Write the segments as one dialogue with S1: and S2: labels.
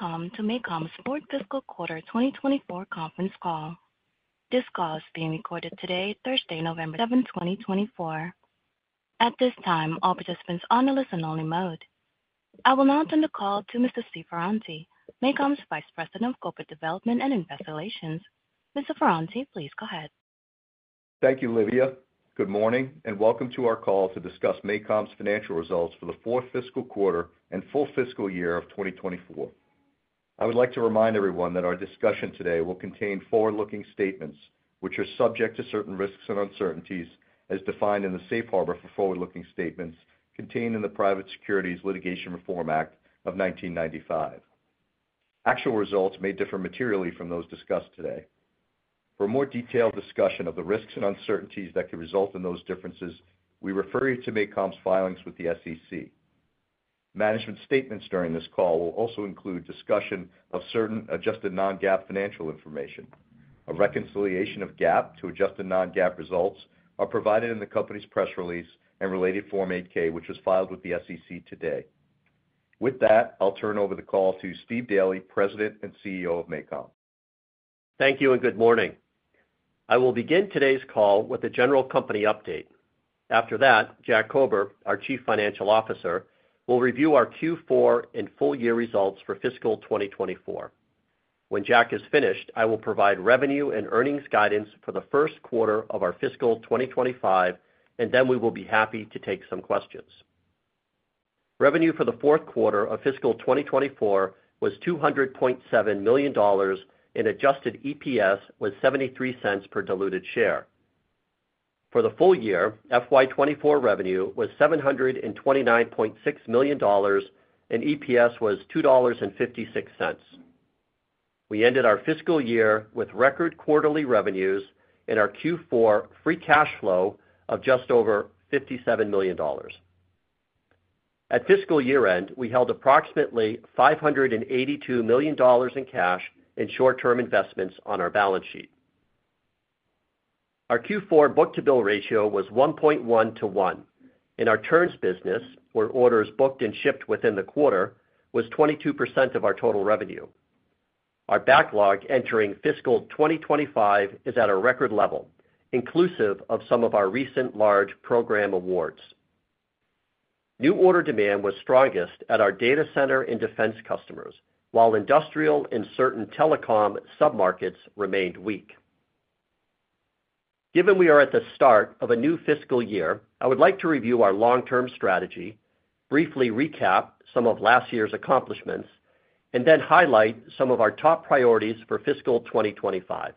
S1: Welcome to MACOM's Fourth Fiscal Quarter 2024 Conference Call. This call is being recorded today, Thursday, November 7, 2024. At this time, all participants are on a listen-only mode. I will now turn the call to Mr. Steve Ferranti, MACOM's Vice President of Corporate Development and Investor Relations. Mr. Ferranti, please go ahead.
S2: Thank you, Olivia. Good morning, and welcome to our call to discuss MACOM's financial results for the fourth fiscal quarter and full fiscal year of 2024. I would like to remind everyone that our discussion today will contain forward-looking statements, which are subject to certain risks and uncertainties, as defined in the Safe Harbor for Forward-Looking Statements contained in the Private Securities Litigation Reform Act of 1995. Actual results may differ materially from those discussed today. For a more detailed discussion of the risks and uncertainties that could result in those differences, we refer you to MACOM's filings with the SEC. Management statements during this call will also include discussion of certain adjusted non-GAAP financial information. A reconciliation of GAAP to adjusted non-GAAP results is provided in the company's press release and related Form 8-K, which was filed with the SEC today. With that, I'll turn over the call to Stephen Daly, President and CEO of MACOM.
S3: Thank you, and good morning. I will begin today's call with a general company update. After that, Jack Kober, our Chief Financial Officer, will review our Q4 and full-year results for fiscal 2024. When Jack is finished, I will provide revenue and earnings guidance for the first quarter of our fiscal 2025, and then we will be happy to take some questions. Revenue for the fourth quarter of fiscal 2024 was $200.7 million, and adjusted EPS was $0.73 per diluted share. For the full year, FY24 revenue was $729.6 million, and EPS was $2.56. We ended our fiscal year with record quarterly revenues and our Q4 free cash flow of just over $57 million. At fiscal year-end, we held approximately $582 million in cash and short-term investments on our balance sheet. Our Q4 book-to-bill ratio was 1.1 to 1, and our turns business, where orders booked and shipped within the quarter, was 22% of our total revenue. Our backlog entering fiscal 2025 is at a record level, inclusive of some of our recent large program awards. New order demand was strongest at our data center and defense customers, while industrial and certain telecom sub-markets remained weak. Given we are at the start of a new fiscal year, I would like to review our long-term strategy, briefly recap some of last year's accomplishments, and then highlight some of our top priorities for fiscal 2025.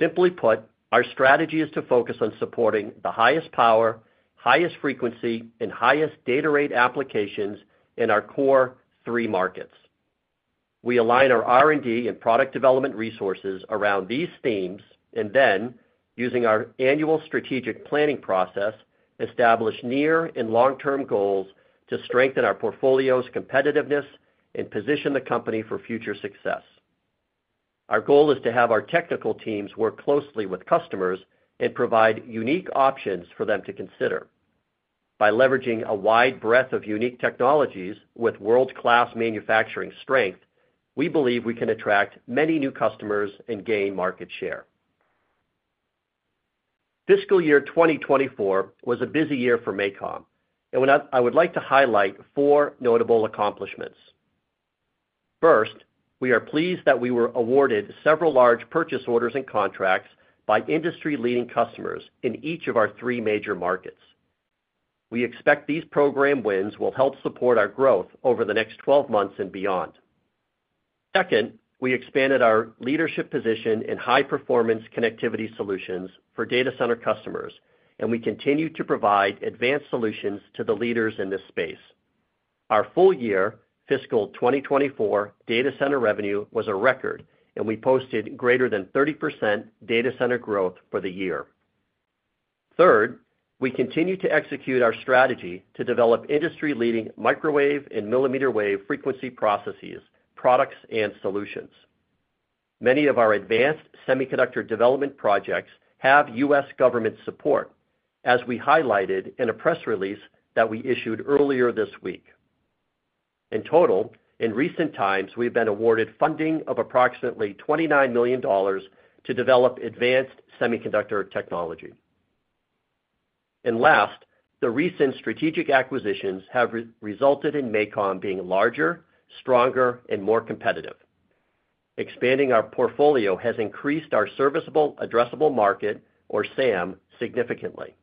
S3: Simply put, our strategy is to focus on supporting the highest power, highest frequency, and highest data rate applications in our core three markets. We align our R&D and product development resources around these themes, and then, using our annual strategic planning process, establish near and long-term goals to strengthen our portfolio's competitiveness and position the company for future success. Our goal is to have our technical teams work closely with customers and provide unique options for them to consider. By leveraging a wide breadth of unique technologies with world-class manufacturing strength, we believe we can attract many new customers and gain market share. Fiscal year 2024 was a busy year for MACOM, and I would like to highlight four notable accomplishments. First, we are pleased that we were awarded several large purchase orders and contracts by industry-leading customers in each of our three major markets. We expect these program wins will help support our growth over the next 12 months and beyond. Second, we expanded our leadership position in high-performance connectivity solutions for data center customers, and we continue to provide advanced solutions to the leaders in this space. Our full-year fiscal 2024 data center revenue was a record, and we posted greater than 30% data center growth for the year. Third, we continue to execute our strategy to develop industry-leading microwave and millimeter wave frequency processes, products, and solutions. Many of our advanced semiconductor development projects have U.S. government support, as we highlighted in a press release that we issued earlier this week. In total, in recent times, we've been awarded funding of approximately $29 million to develop advanced semiconductor technology. And last, the recent strategic acquisitions have resulted in MACOM being larger, stronger, and more competitive. Expanding our portfolio has increased our serviceable addressable market, or SAM, significantly.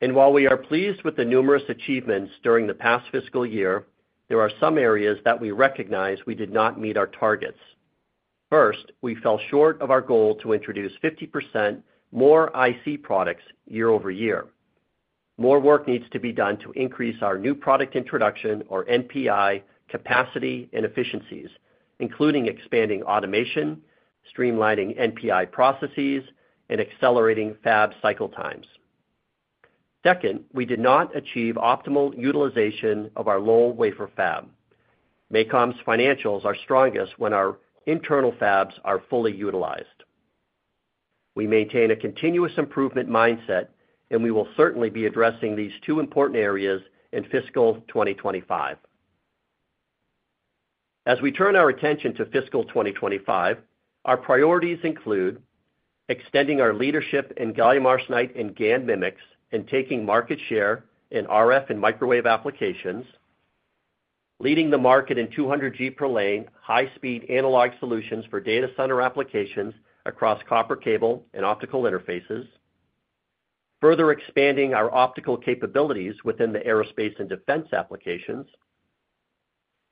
S3: While we are pleased with the numerous achievements during the past fiscal year, there are some areas that we recognize we did not meet our targets. First, we fell short of our goal to introduce 50% more IC products year-over-year. More work needs to be done to increase our new product introduction, or NPI, capacity and efficiencies, including expanding automation, streamlining NPI processes, and accelerating fab cycle times. Second, we did not achieve optimal utilization of our low-wafer fab. MACOM's financials are strongest when our internal fabs are fully utilized. We maintain a continuous improvement mindset, and we will certainly be addressing these two important areas in fiscal 2025. As we turn our attention to fiscal 2025, our priorities include extending our leadership in gallium arsenide and GaN MMICs and taking market share in RF and microwave applications, leading the market in 200G per lane high-speed analog solutions for data center applications across copper cable and optical interfaces, further expanding our optical capabilities within the aerospace and defense applications,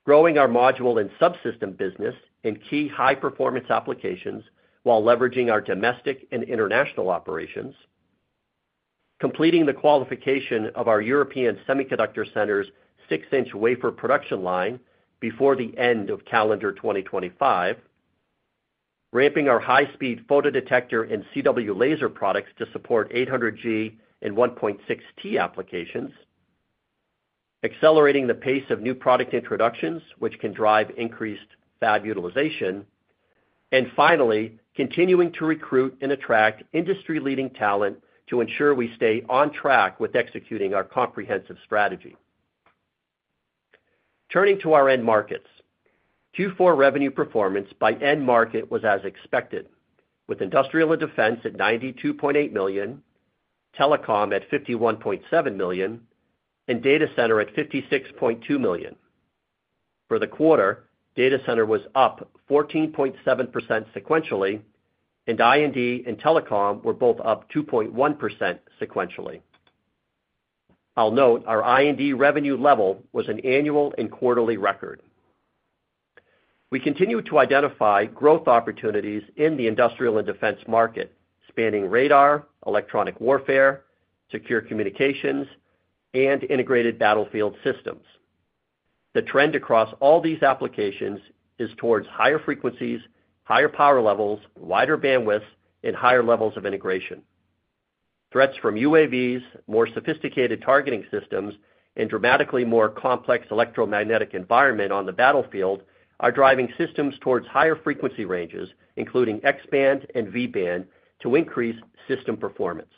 S3: growing our module and subsystem business in key high-performance applications while leveraging our domestic and international operations, completing the qualification of our European semiconductor center's 6-inch wafer production line before the end of calendar 2025, ramping our high-speed photodetector and CW laser products to support 800G and 1.6T applications, accelerating the pace of new product introductions, which can drive increased fab utilization, and finally, continuing to recruit and attract industry-leading talent to ensure we stay on track with executing our comprehensive strategy. Turning to our end markets, Q4 revenue performance by end market was as expected, with industrial and defense at $92.8 million, telecom at $51.7 million, and data center at $56.2 million. For the quarter, data center was up 14.7% sequentially, and I&D and telecom were both up 2.1% sequentially. I'll note our I&D revenue level was an annual and quarterly record. We continue to identify growth opportunities in the industrial and defense market, spanning radar, electronic warfare, secure communications, and integrated battlefield systems. The trend across all these applications is towards higher frequencies, higher power levels, wider bandwidths, and higher levels of integration. Threats from UAVs, more sophisticated targeting systems, and dramatically more complex electromagnetic environment on the battlefield are driving systems towards higher frequency ranges, including X-band and V-band, to increase system performance.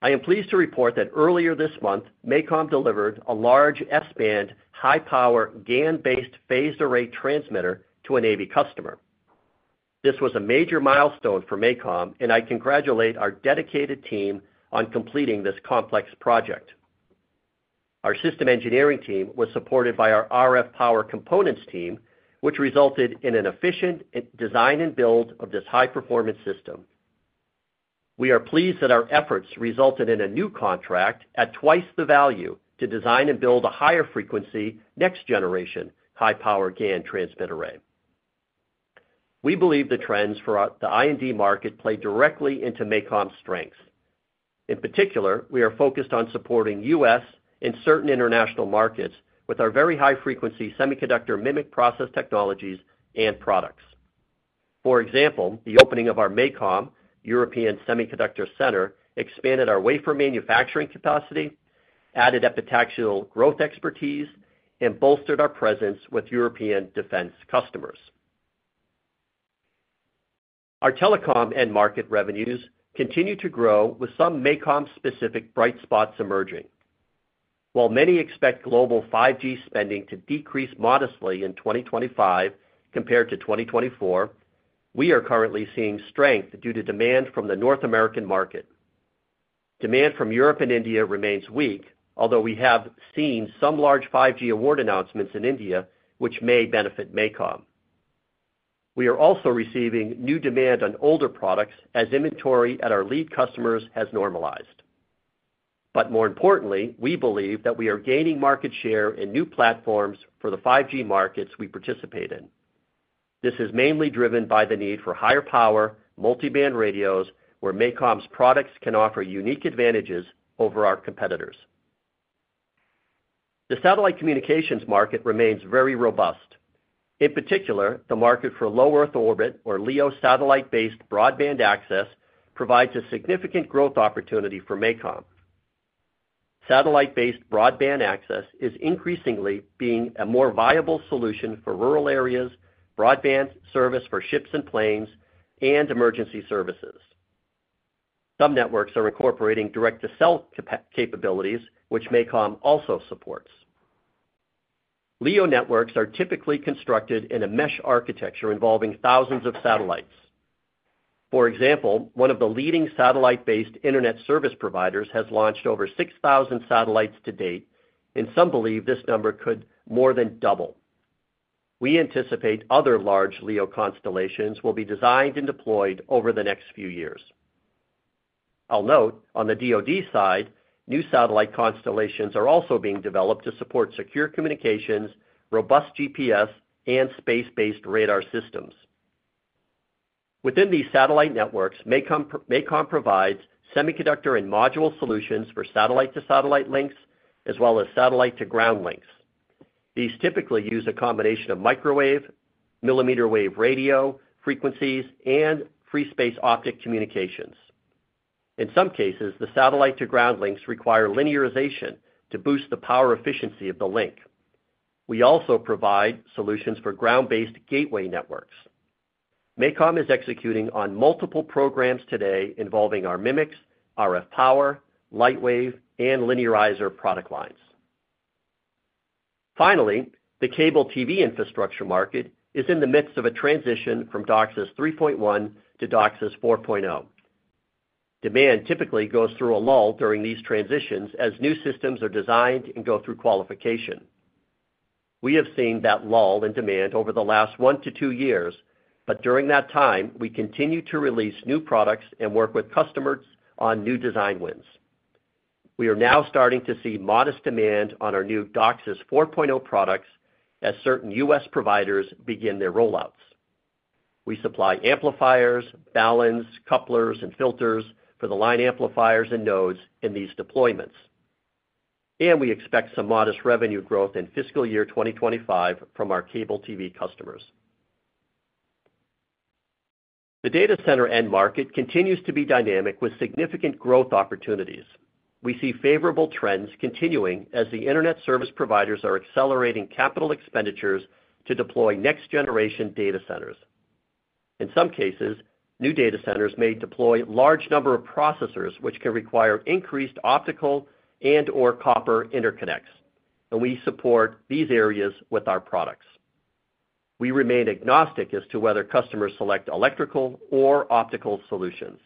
S3: I am pleased to report that earlier this month, MACOM delivered a large S-band high-power GaN-based phased array transmitter to a Navy customer. This was a major milestone for MACOM, and I congratulate our dedicated team on completing this complex project. Our system engineering team was supported by our RF power components team, which resulted in an efficient design and build of this high-performance system. We are pleased that our efforts resulted in a new contract at twice the value to design and build a higher frequency next-generation high-power GaN transmit array. We believe the trends for the I&D market play directly into MACOM's strengths. In particular, we are focused on supporting U.S. and certain international markets with our very high-frequency semiconductor MMIC process technologies and products. For example, the opening of our MACOM European Semiconductor Center expanded our wafer manufacturing capacity, added epitaxial growth expertise, and bolstered our presence with European defense customers. Our telecom end market revenues continue to grow, with some MACOM-specific bright spots emerging. While many expect global 5G spending to decrease modestly in 2025 compared to 2024, we are currently seeing strength due to demand from the North American market. Demand from Europe and India remains weak, although we have seen some large 5G award announcements in India, which may benefit MACOM. We are also receiving new demand on older products as inventory at our lead customers has normalized. But more importantly, we believe that we are gaining market share in new platforms for the 5G markets we participate in. This is mainly driven by the need for higher power multi-band radios, where MACOM's products can offer unique advantages over our competitors. The satellite communications market remains very robust. In particular, the market for Low Earth Orbit, or LEO satellite-based broadband access, provides a significant growth opportunity for MACOM. Satellite-based broadband access is increasingly being a more viable solution for rural areas, broadband service for ships and planes, and emergency services. Some networks are incorporating direct-to-cell capabilities, which MACOM also supports. LEO networks are typically constructed in a mesh architecture involving thousands of satellites. For example, one of the leading satellite-based internet service providers has launched over 6,000 satellites to date, and some believe this number could more than double. We anticipate other large LEO constellations will be designed and deployed over the next few years. I'll note, on the DOD side, new satellite constellations are also being developed to support secure communications, robust GPS, and space-based radar systems. Within these satellite networks, MACOM provides semiconductor and module solutions for satellite-to-satellite links, as well as satellite-to-ground links. These typically use a combination of microwave, millimeter wave radio frequencies, and free space optic communications. In some cases, the satellite-to-ground links require linearization to boost the power efficiency of the link. We also provide solutions for ground-based gateway networks. MACOM is executing on multiple programs today involving our MMICs, RF power, light wave, and linearizer product lines. Finally, the cable TV infrastructure market is in the midst of a transition from DOCSIS 3.1 to DOCSIS 4.0. Demand typically goes through a lull during these transitions as new systems are designed and go through qualification. We have seen that lull in demand over the last one to two years, but during that time, we continue to release new products and work with customers on new design wins. We are now starting to see modest demand on our new DOCSIS 4.0 products as certain U.S. providers begin their rollouts. We supply amplifiers, baluns, couplers, and filters for the line amplifiers and nodes in these deployments. We expect some modest revenue growth in fiscal year 2025 from our cable TV customers. The data center end market continues to be dynamic with significant growth opportunities. We see favorable trends continuing as the internet service providers are accelerating capital expenditures to deploy next-generation data centers. In some cases, new data centers may deploy a large number of processors, which can require increased optical and/or copper interconnects, and we support these areas with our products. We remain agnostic as to whether customers select electrical or optical solutions.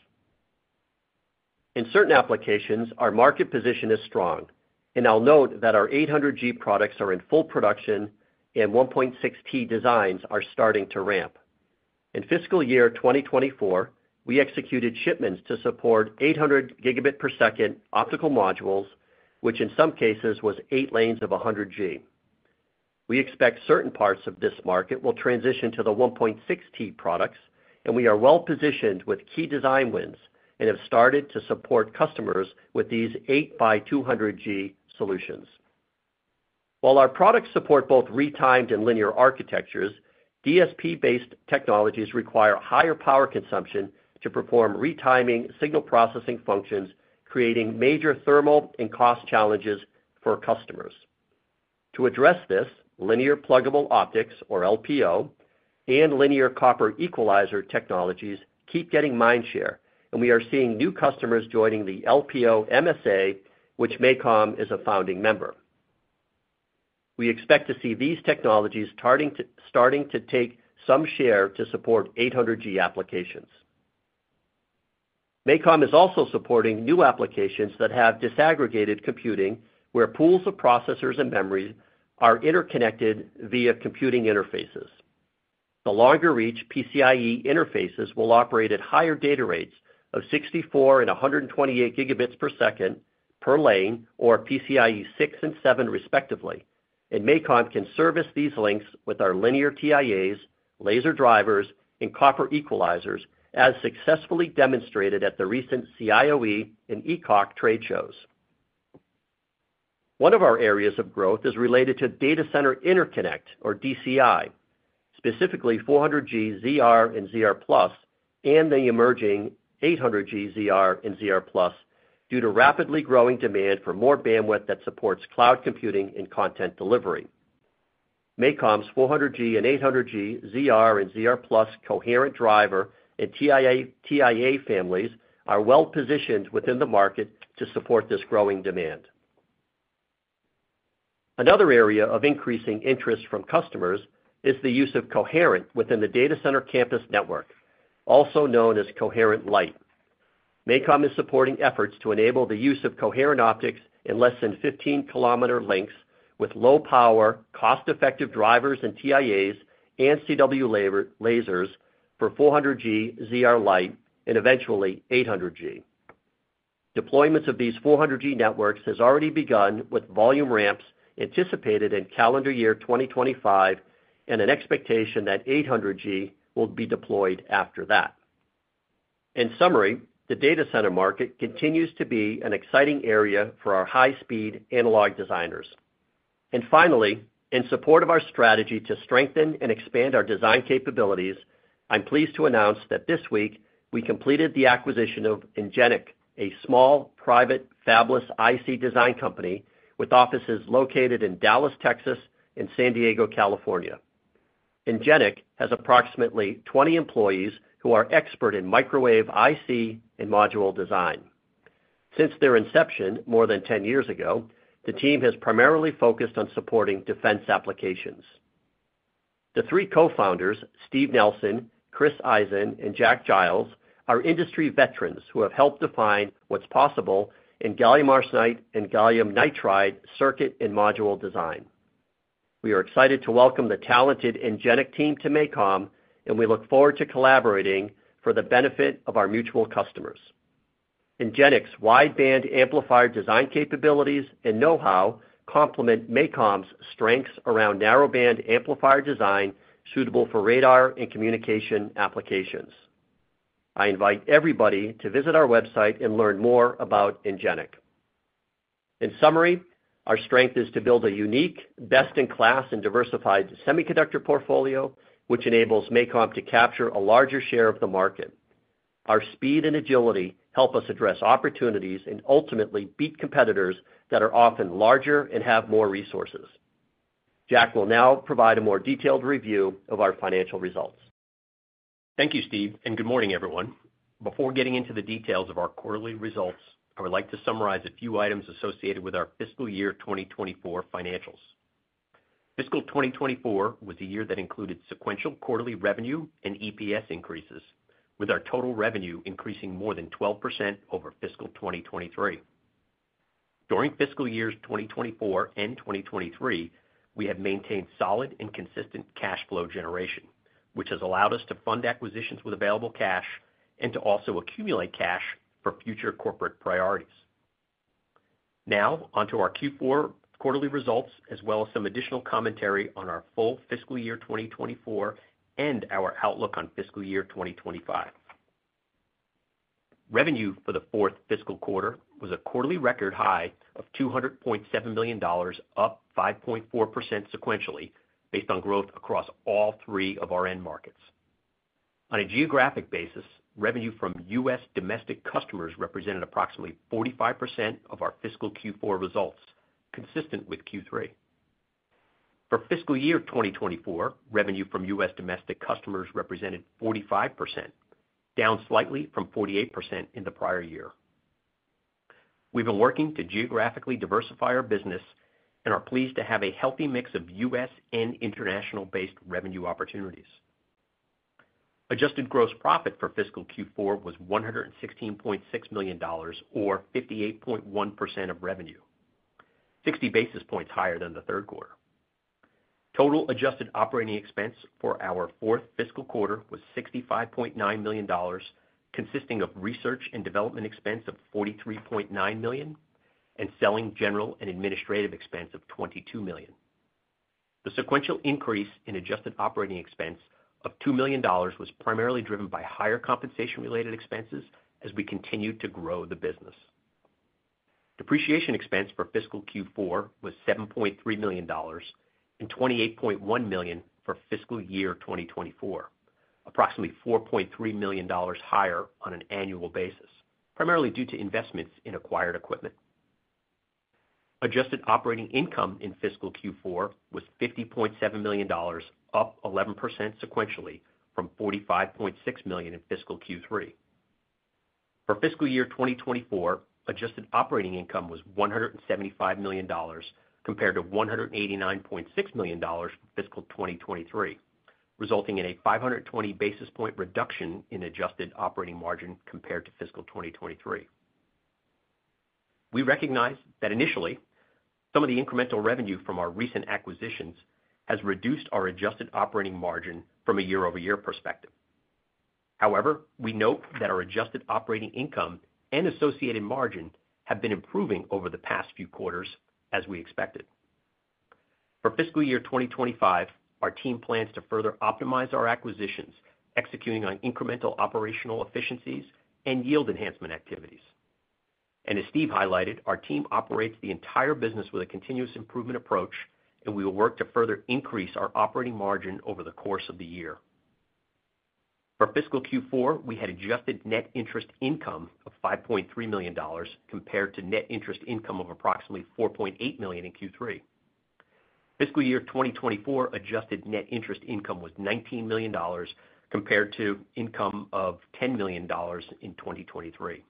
S3: In certain applications, our market position is strong, and I'll note that our 800G products are in full production and 1.6T designs are starting to ramp. In fiscal year 2024, we executed shipments to support 800 GB per second optical modules, which in some cases was eight lanes of 100G. We expect certain parts of this market will transition to the 1.6T products, and we are well positioned with key design wins and have started to support customers with these 8x200G solutions. While our products support both retimed and linear architectures, DSP-based technologies require higher power consumption to perform retiming signal processing functions, creating major thermal and cost challenges for customers. To address this, linear pluggable optics, or LPO, and linear copper equalizer technologies keep getting mind share, and we are seeing new customers joining the LPO MSA, which MACOM is a founding member. We expect to see these technologies starting to take some share to support 800G applications. MACOM is also supporting new applications that have disaggregated computing, where pools of processors and memory are interconnected via computing interfaces. The longer-reach PCIe interfaces will operate at higher data rates of 64 and 128 GB per second per lane, or PCIe 6 and 7, respectively, and MACOM can service these links with our linear TIAs, laser drivers, and copper equalizers, as successfully demonstrated at the recent CIOE and ECOC trade shows. One of our areas of growth is related to data center interconnect, or DCI, specifically 400G ZR and ZR+, and the emerging 800G ZR and ZR+ due to rapidly growing demand for more bandwidth that supports cloud computing and content delivery. MACOM's 400G and 800G ZR and ZR+ coherent driver and TIA families are well positioned within the market to support this growing demand. Another area of increasing interest from customers is the use of coherent within the data center campus network, also known as Coherent Lite. MACOM is supporting efforts to enable the use of coherent optics in less than 15-km lengths with low-power, cost-effective drivers and TIAs and CW lasers for 400G ZR Lite and eventually 800G. Deployments of these 400G networks have already begun with volume ramps anticipated in calendar year 2025 and an expectation that 800G will be deployed after that. In summary, the data center market continues to be an exciting area for our high-speed analog designers. Finally, in support of our strategy to strengthen and expand our design capabilities, I'm pleased to announce that this week we completed the acquisition of ENGIN-IC, a small private fabless IC design company with offices located in Dallas, Texas, and San Diego, California. ENGIN-IC has approximately 20 employees who are expert in microwave IC and module design. Since their inception more than 10 years ago, the team has primarily focused on supporting defense applications. The three co-founders, Steve Nelson, Chris Eisen, and Jack Giles, are industry veterans who have helped define what's possible in gallium arsenide and gallium nitride circuit and module design. We are excited to welcome the talented ENGIN-IC team to MACOM, and we look forward to collaborating for the benefit of our mutual customers. ENGIN-IC's wideband amplifier design capabilities and know-how complement MACOM's strengths around narrow-band amplifier design suitable for radar and communication applications. I invite everybody to visit our website and learn more about ENGIN-IC. In summary, our strength is to build a unique, best-in-class, and diversified semiconductor portfolio, which enables MACOM to capture a larger share of the market. Our speed and agility help us address opportunities and ultimately beat competitors that are often larger and have more resources. Jack will now provide a more detailed review of our financial results.
S4: Thank you, Steve, and good morning, everyone. Before getting into the details of our quarterly results, I would like to summarize a few items associated with our fiscal year 2024 financials. Fiscal 2024 was a year that included sequential quarterly revenue and EPS increases, with our total revenue increasing more than 12% over fiscal 2023. During fiscal years 2024 and 2023, we have maintained solid and consistent cash flow generation, which has allowed us to fund acquisitions with available cash and to also accumulate cash for future corporate priorities. Now, onto our Q4 quarterly results, as well as some additional commentary on our full fiscal year 2024 and our outlook on fiscal year 2025. Revenue for the fourth fiscal quarter was a quarterly record high of $200.7 million, up 5.4% sequentially based on growth across all three of our end markets. On a geographic basis, revenue from U.S. domestic customers represented approximately 45% of our fiscal Q4 results, consistent with Q3. For fiscal year 2024, revenue from U.S. domestic customers represented 45%, down slightly from 48% in the prior year. We've been working to geographically diversify our business and are pleased to have a healthy mix of U.S. and international-based revenue opportunities. Adjusted gross profit for fiscal Q4 was $116.6 million, or 58.1% of revenue, 60 basis points higher than the third quarter. Total adjusted operating expense for our fourth fiscal quarter was $65.9 million, consisting of research and development expense of $43.9 million and selling general and administrative expense of $22 million. The sequential increase in adjusted operating expense of $2 million was primarily driven by higher compensation-related expenses as we continued to grow the business. Depreciation expense for fiscal Q4 was $7.3 million and $28.1 million for fiscal year 2024, approximately $4.3 million higher on an annual basis, primarily due to investments in acquired equipment. Adjusted operating income in fiscal Q4 was $50.7 million, up 11% sequentially from $45.6 million in fiscal Q3. For fiscal year 2024, adjusted operating income was $175 million compared to $189.6 million for fiscal 2023, resulting in a 520 basis point reduction in adjusted operating margin compared to fiscal 2023. We recognize that initially, some of the incremental revenue from our recent acquisitions has reduced our adjusted operating margin from a year-over-year perspective. However, we note that our adjusted operating income and associated margin have been improving over the past few quarters, as we expected. For fiscal year 2025, our team plans to further optimize our acquisitions, executing on incremental operational efficiencies and yield enhancement activities, and as Steve highlighted, our team operates the entire business with a continuous improvement approach, and we will work to further increase our operating margin over the course of the year. For fiscal Q4, we had adjusted net interest income of $5.3 million compared to net interest income of approximately $4.8 million in Q3. Fiscal year 2024 adjusted net interest income was $19 million compared to income of $10 million in 2023.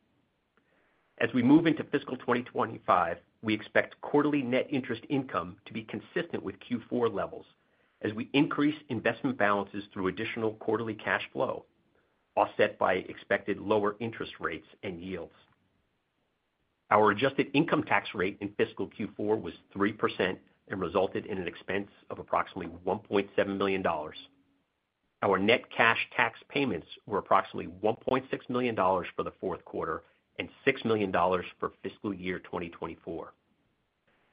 S4: As we move into fiscal 2025, we expect quarterly net interest income to be consistent with Q4 levels as we increase investment balances through additional quarterly cash flow offset by expected lower interest rates and yields. Our adjusted income tax rate in fiscal Q4 was 3% and resulted in an expense of approximately $1.7 million. Our net cash tax payments were approximately $1.6 million for the fourth quarter and $6 million for fiscal year 2024.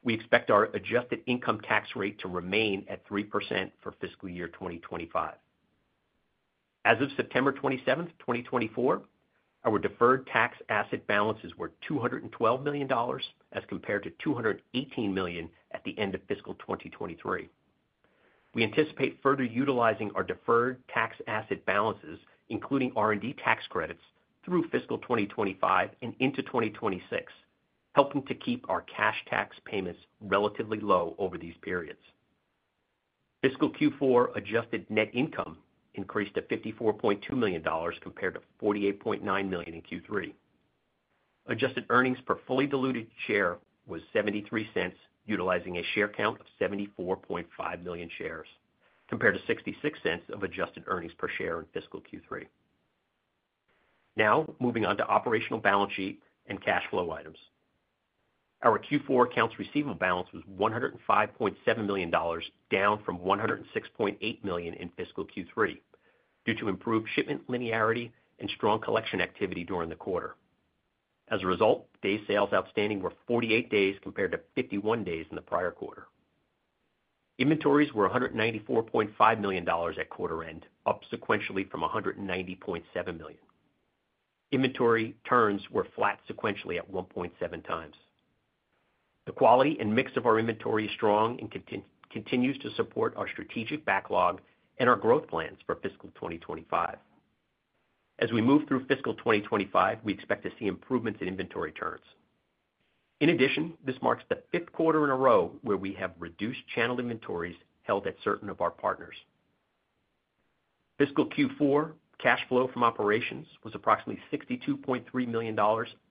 S4: We expect our adjusted income tax rate to remain at 3% for fiscal year 2025. As of September 27, 2024, our deferred tax asset balances were $212 million as compared to $218 million at the end of fiscal 2023. We anticipate further utilizing our deferred tax asset balances, including R&D tax credits, through fiscal 2025 and into 2026, helping to keep our cash tax payments relatively low over these periods. Fiscal Q4 adjusted net income increased to $54.2 million compared to $48.9 million in Q3. Adjusted earnings per fully diluted share was $0.73, utilizing a share count of 74.5 million shares compared to $0.66 of adjusted earnings per share in fiscal Q3. Now, moving on to operational balance sheet and cash flow items. Our Q4 accounts receivable balance was $105.7 million, down from $106.8 million in fiscal Q3 due to improved shipment linearity and strong collection activity during the quarter. As a result, days sales outstanding were 48 days compared to 51 days in the prior quarter. Inventories were $194.5 million at quarter end, up sequentially from $190.7 million. Inventory turns were flat sequentially at 1.7 times. The quality and mix of our inventory is strong and continues to support our strategic backlog and our growth plans for fiscal 2025. As we move through fiscal 2025, we expect to see improvements in inventory turns. In addition, this marks the fifth quarter in a row where we have reduced channel inventories held at certain of our partners. Fiscal Q4 cash flow from operations was approximately $62.3 million,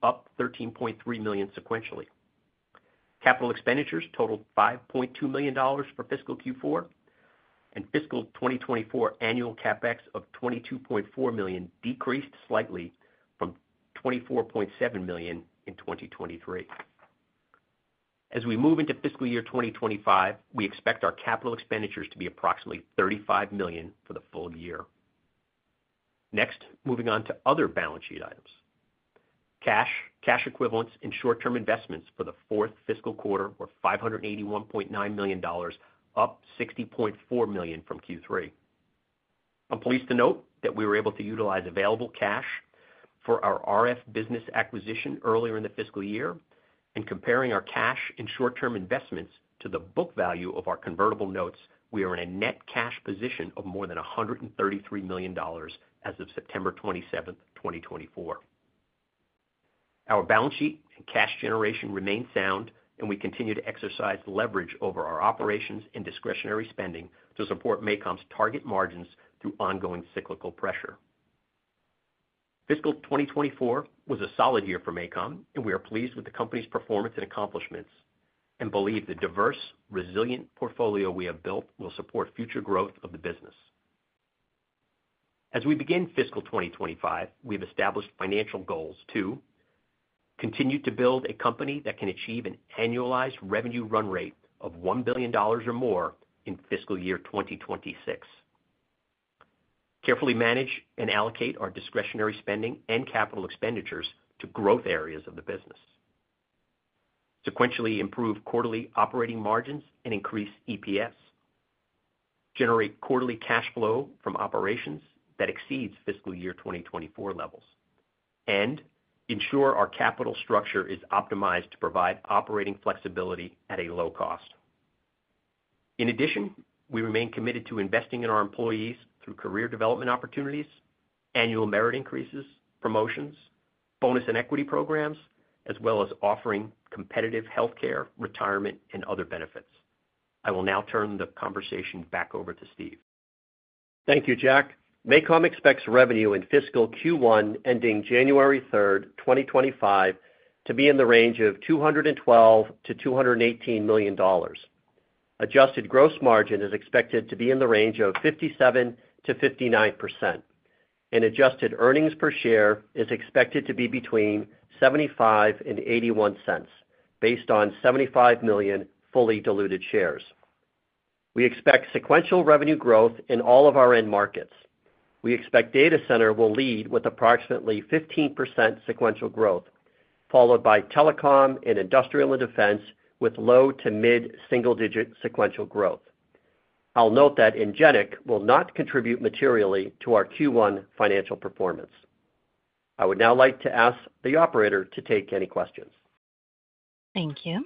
S4: up $13.3 million sequentially. Capital expenditures totaled $5.2 million for fiscal Q4, and fiscal 2024 annual CapEx of $22.4 million decreased slightly from $24.7 million in 2023. As we move into fiscal year 2025, we expect our capital expenditures to be approximately $35 million for the full year. Next, moving on to other balance sheet items. Cash, cash equivalents, and short-term investments for the fourth fiscal quarter were $581.9 million, up $60.4 million from Q3. I'm pleased to note that we were able to utilize available cash for our RF business acquisition earlier in the fiscal year. And comparing our cash and short-term investments to the book value of our convertible notes, we are in a net cash position of more than $133 million as of September 27, 2024. Our balance sheet and cash generation remain sound, and we continue to exercise leverage over our operations and discretionary spending to support MACOM's target margins through ongoing cyclical pressure. Fiscal 2024 was a solid year for MACOM, and we are pleased with the company's performance and accomplishments and believe the diverse, resilient portfolio we have built will support future growth of the business. As we begin fiscal 2025, we have established financial goals to continue to build a company that can achieve an annualized revenue run rate of $1 billion or more in fiscal year 2026. Carefully manage and allocate our discretionary spending and capital expenditures to growth areas of the business. Sequentially improve quarterly operating margins and increase EPS. Generate quarterly cash flow from operations that exceeds fiscal year 2024 levels, and ensure our capital structure is optimized to provide operating flexibility at a low cost. In addition, we remain committed to investing in our employees through career development opportunities, annual merit increases, promotions, bonus and equity programs, as well as offering competitive healthcare, retirement, and other benefits. I will now turn the conversation back over to Steve.
S3: Thank you, Jack. MACOM expects revenue in fiscal Q1 ending January 3, 2025, to be in the range of $212 million - $218 million. Adjusted gross margin is expected to be in the range of 57%-59%, and adjusted earnings per share is expected to be between $0.75-$0.81, based on 75 million fully diluted shares. We expect sequential revenue growth in all of our end markets. We expect data center will lead with approximately 15% sequential growth, followed by telecom and industrial and defense with low to mid single-digit sequential growth. I'll note that ENGIN-IC will not contribute materially to our Q1 financial performance. I would now like to ask the operator to take any questions.
S1: Thank you.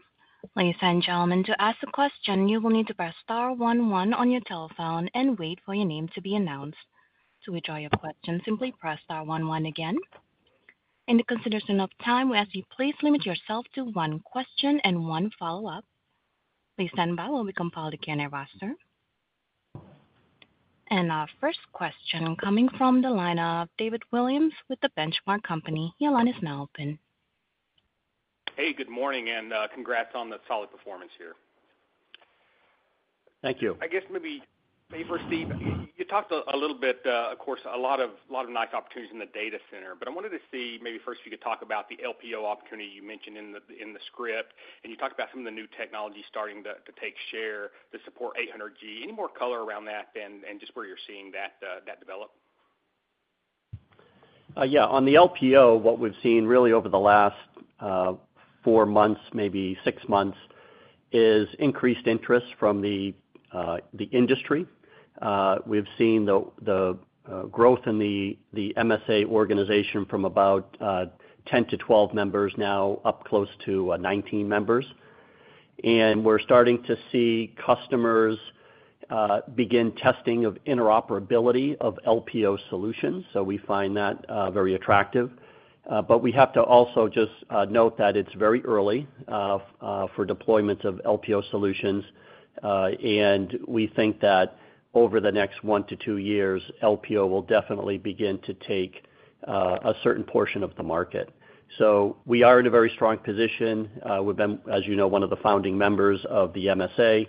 S1: Ladies and gentlemen, to ask a question, you will need to press star one one on your telephone and wait for your name to be announced. To withdraw your question, simply press star one one again. In consideration of time, we ask you please limit yourself to one question and one follow-up. Please stand by while we compile the Q&A roster. Our first question is coming from the line of David Williams with The Benchmark Company.
S3: Hey, good morning, and congrats on the solid performance here.
S5: Thank you. I guess maybe, Steve, you talked a little bit, of course, a lot of nice opportunities in the data center, but I wanted to see maybe first if you could talk about the LPO opportunity you mentioned in the script. And you talked about some of the new technology starting to take share to support 800G. Any more color around that and just where you're seeing that develop?
S3: Yeah. On the LPO, what we've seen really over the last four months, maybe six months, is increased interest from the industry. We've seen the growth in the MSA organization from about 10-12 members, now up close to 19 members, and we're starting to see customers begin testing of interoperability of LPO solutions, so we find that very attractive, but we have to also just note that it's very early for deployments of LPO solutions, and we think that over the next one to two years, LPO will definitely begin to take a certain portion of the market, so we are in a very strong position. We've been, as you know, one of the founding members of the MSA.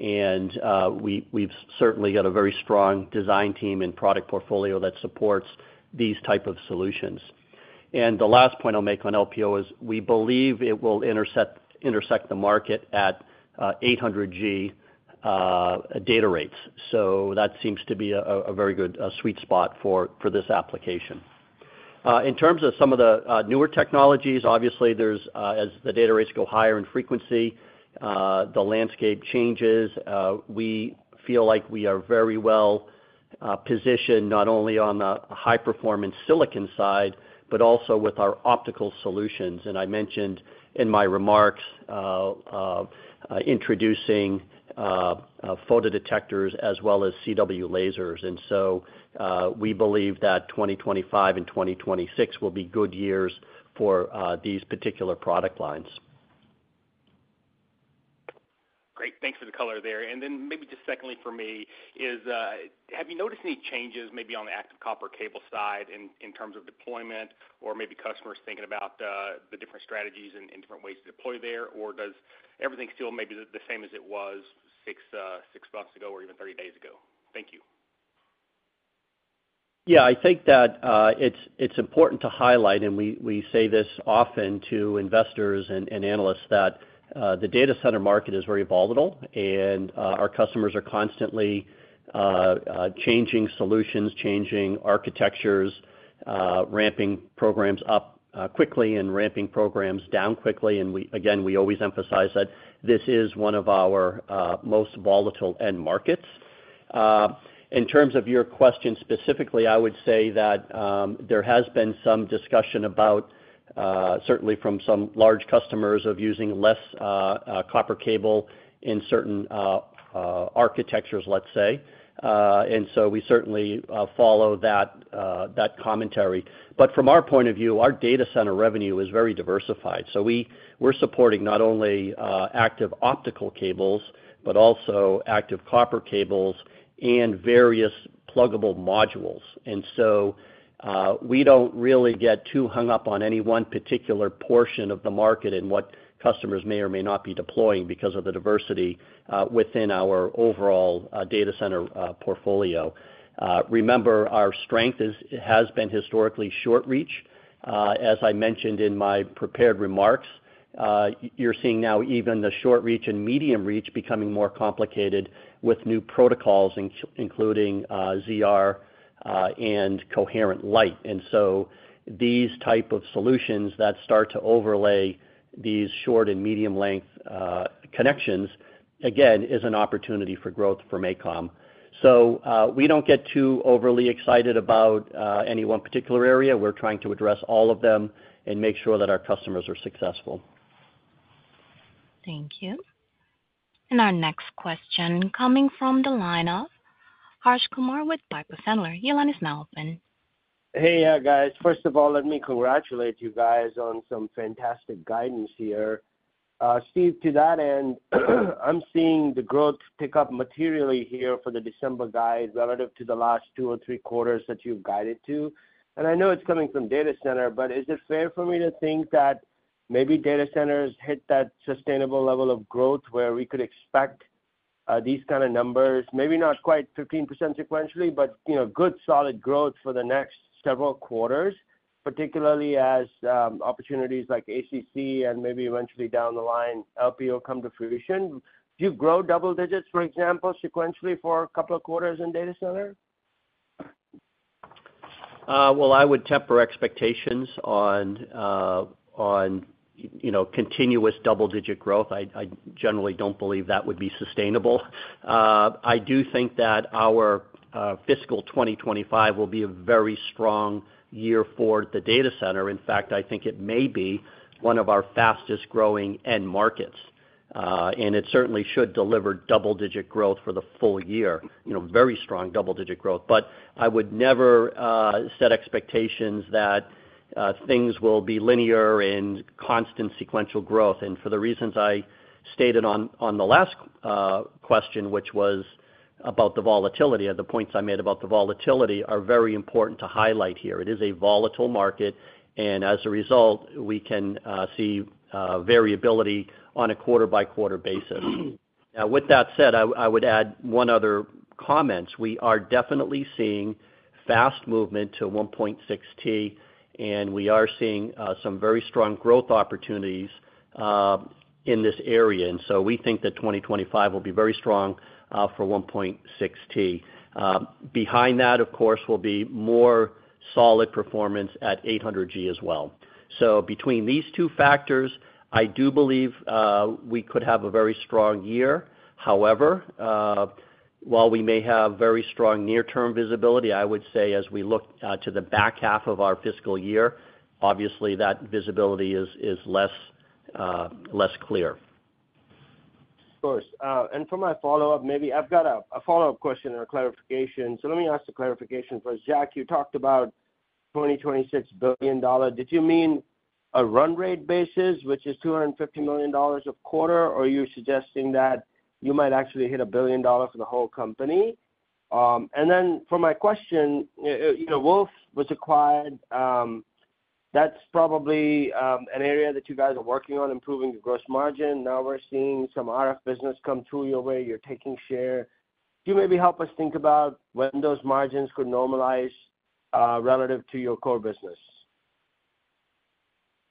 S3: And we've certainly got a very strong design team and product portfolio that supports these types of solutions. And the last point I'll make on LPO is we believe it will intersect the market at 800G data rates. So that seems to be a very good sweet spot for this application. In terms of some of the newer technologies, obviously, as the data rates go higher in frequency, the landscape changes. We feel like we are very well positioned not only on the high-performance silicon side, but also with our optical solutions. And I mentioned in my remarks introducing photodetectors as well as CW lasers. And so we believe that 2025 and 2026 will be good years for these particular product lines.
S5: Great. Thanks for the color there. And then, maybe just secondly for me, is: have you noticed any changes maybe on the active copper cable side in terms of deployment, or maybe customers thinking about the different strategies and different ways to deploy there? Or does everything still maybe the same as it was six months ago or even 30 days ago? Thank you.
S3: Yeah. I think that it's important to highlight, and we say this often to investors and analysts, that the data center market is very volatile. And our customers are constantly changing solutions, changing architectures, ramping programs up quickly and ramping programs down quickly. And again, we always emphasize that this is one of our most volatile end markets. In terms of your question specifically, I would say that there has been some discussion about, certainly from some large customers, of using less copper cable in certain architectures, let's say. And so we certainly follow that commentary. But from our point of view, our data center revenue is very diversified. So we're supporting not only active optical cables, but also active copper cables and various pluggable modules. And so we don't really get too hung up on any one particular portion of the market and what customers may or may not be deploying because of the diversity within our overall data center portfolio. Remember, our strength has been historically short-reach. As I mentioned in my prepared remarks, you're seeing now even the short-reach and medium-reach becoming more complicated with new protocols, including ZR and coherent light. And so these types of solutions that start to overlay these short and medium-length connections, again, is an opportunity for growth for MACOM. So we don't get too overly excited about any one particular area. We're trying to address all of them and make sure that our customers are successful.
S1: Thank you. And our next question coming from the line of Harsh Kumar with Piper Sandler, Your line is now open.
S6: Hey, guys. First of all, let me congratulate you guys on some fantastic guidance here. Steve, to that end, I'm seeing the growth pick up materially here for the December guide relative to the last two or three quarters that you've guided to. And I know it's coming from data center, but is it fair for me to think that maybe data centers hit that sustainable level of growth where we could expect these kinds of numbers, maybe not quite 15% sequentially, but good solid growth for the next several quarters, particularly as opportunities like ACC and maybe eventually down the line, LPO come to fruition? Do you grow double digits, for example, sequentially for a couple of quarters in data center?
S3: Well, I would temper expectations on continuous double-digit growth. I generally don't believe that would be sustainable. I do think that our fiscal 2025 will be a very strong year for the data center. In fact, I think it may be one of our fastest-growing end markets. And it certainly should deliver double-digit growth for the full year, very strong double-digit growth. But I would never set expectations that things will be linear and constant sequential growth. And for the reasons I stated on the last question, which was about the volatility, the points I made about the volatility are very important to highlight here. It is a volatile market. And as a result, we can see variability on a quarter-by-quarter basis. Now, with that said, I would add one other comment. We are definitely seeing fast movement to 1.6T. And we are seeing some very strong growth opportunities in this area. And so we think that 2025 will be very strong for 1.6T. Behind that, of course, will be more solid performance at 800G as well. So between these two factors, I do believe we could have a very strong year. However, while we may have very strong near-term visibility, I would say as we look to the back half of our fiscal year, obviously that visibility is less clear.
S6: Of course. And for my follow-up, maybe I've got a follow-up question or a clarification. So let me ask the clarification first. Jack, you talked about $2 billion in 2026. Did you mean a run rate basis, which is $250 million a quarter, or are you suggesting that you might actually hit a billion dollars for the whole company? And then for my question, Wolfspeed was acquired. That's probably an area that you guys are working on, improving your gross margin. Now we're seeing some RF business come through your way. You're taking share. Do you maybe help us think about when those margins could normalize relative to your core business?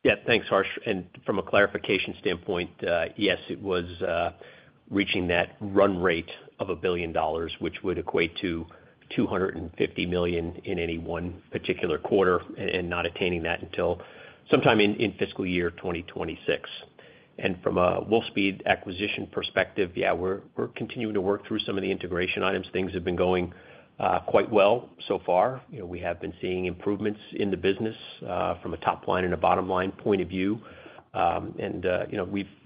S4: Yeah. Thanks, Harsh. And from a clarification standpoint, yes, it was reaching that run rate of $1 billion, which would equate to $250 million in any one particular quarter and not attaining that until sometime in fiscal year 2026. And from a Wolfspeed acquisition perspective, yeah, we're continuing to work through some of the integration items. Things have been going quite well so far. We have been seeing improvements in the business from a top line and a bottom line point of view. And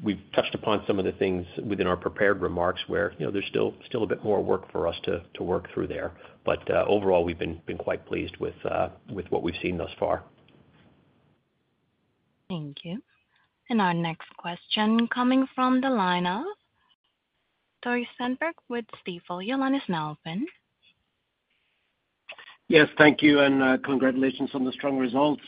S4: we've touched upon some of the things within our prepared remarks where there's still a bit more work for us to work through there. But overall, we've been quite pleased with what we've seen thus far.
S1: Thank you. And our next question coming from the line of Tore Svanberg with Stifel. Your line is now open.
S7: Yes, thank you. And congratulations on the strong results.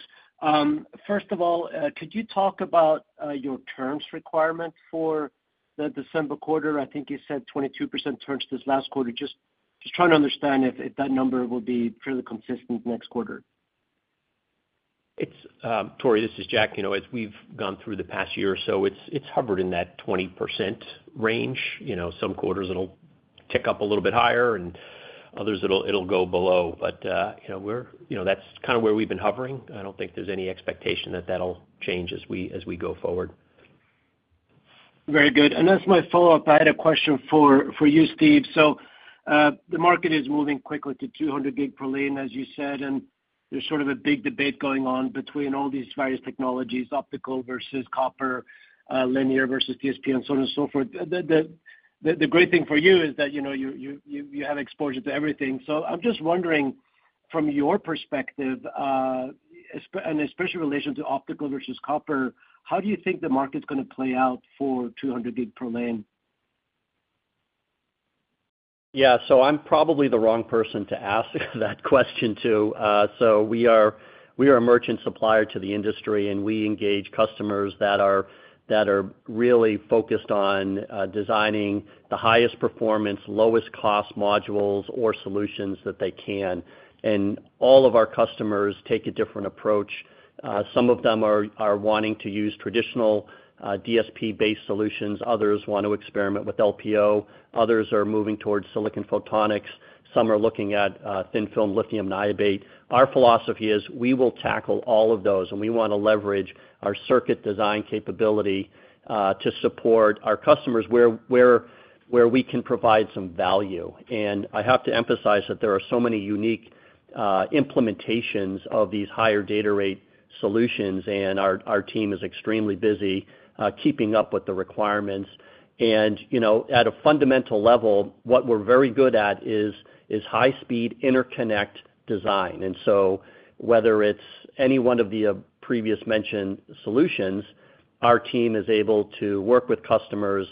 S7: First of all, could you talk about your terms requirement for the December quarter? I think you said 22% terms this last quarter. Just trying to understand if that number will be fairly consistent next quarter.
S4: Tore, this is Jack. As we've gone through the past year or so, it's hovered in that 20% range. Some quarters, it'll tick up a little bit higher, and others, it'll go below. But that's kind of where we've been hovering. I don't think there's any expectation that that'll change as we go forward.
S7: Very good. And as my follow-up, I had a question for you, Steve. So the market is moving quickly to 200 gig per lane, as you said. And there's sort of a big debate going on between all these various technologies, optical versus copper, linear versus DSP, and so on and so forth. The great thing for you is that you have exposure to everything. So I'm just wondering, from your perspective, and especially in relation to optical versus copper, how do you think the market's going to play out for 200 gig per lane?
S3: Yeah. So I'm probably the wrong person to ask that question to. So we are a merchant supplier to the industry, and we engage customers that are really focused on designing the highest performance, lowest cost modules or solutions that they can. All of our customers take a different approach. Some of them are wanting to use traditional DSP-based solutions. Others want to experiment with LPO. Others are moving towards silicon photonics. Some are looking at thin-film lithium niobate. Our philosophy is we will tackle all of those, and we want to leverage our circuit design capability to support our customers where we can provide some value. And I have to emphasize that there are so many unique implementations of these higher data rate solutions, and our team is extremely busy keeping up with the requirements. And at a fundamental level, what we're very good at is high-speed interconnect design. And so whether it's any one of the previously mentioned solutions, our team is able to work with customers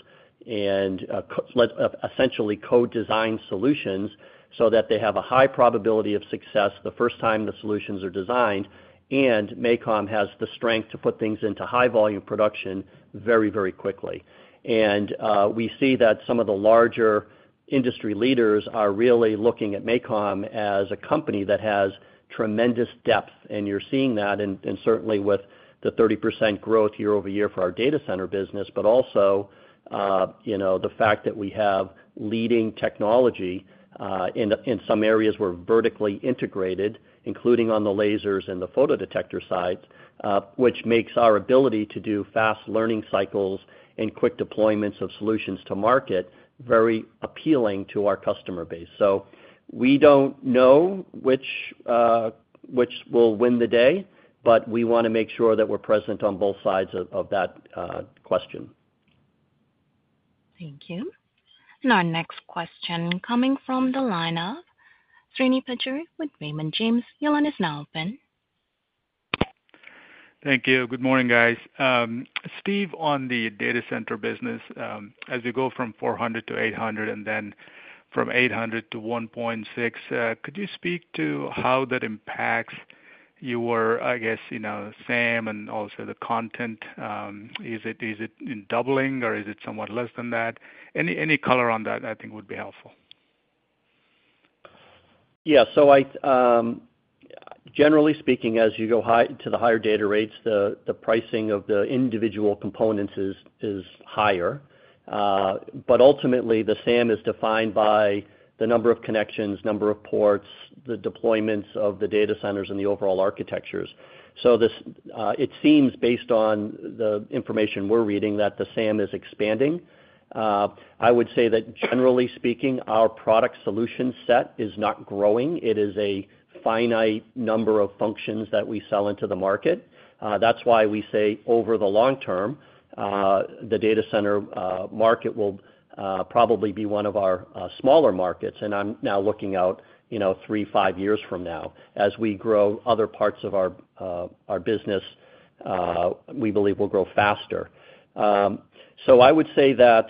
S3: and essentially co-design solutions so that they have a high probability of success the first time the solutions are designed. MACOM has the strength to put things into high-volume production very, very quickly. We see that some of the larger industry leaders are really looking at MACOM as a company that has tremendous depth. You're seeing that, and certainly with the 30% growth year-over-year for our data center business, but also the fact that we have leading technology in some areas where vertically integrated, including on the lasers and the photodetector side, which makes our ability to do fast learning cycles and quick deployments of solutions to market very appealing to our customer base. So we don't know which will win the day, but we want to make sure that we're present on both sides of that question.
S1: Thank you. Our next question coming from the line of Srini Pajjuri with Raymond James. Your line is now open.
S8: Thank you. Good morning, guys. Steve, on the data center business, as you go from 400 to 800 and then from 800 to 1.6, could you speak to how that impacts your, I guess, SAM and also the content? Is it doubling, or is it somewhat less than that? Any color on that, I think, would be helpful.
S3: Yeah. So generally speaking, as you go to the higher data rates, the pricing of the individual components is higher. But ultimately, the SAM is defined by the number of connections, number of ports, the deployments of the data centers, and the overall architectures. So it seems, based on the information we're reading, that the SAM is expanding. I would say that, generally speaking, our product solution set is not growing. It is a finite number of functions that we sell into the market. That's why we say, over the long term, the data center market will probably be one of our smaller markets. And I'm now looking out three, five years from now. As we grow other parts of our business, we believe we'll grow faster. So I would say that